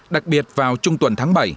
đặc biệt vào trung tuần tháng bảy